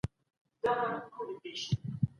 کمپيوټر سافټوېر چالانه کوي.